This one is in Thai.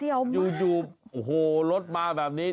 อยู่โอ้โหรถมาแบบนี้